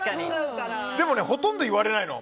でも、ほとんど言われないの。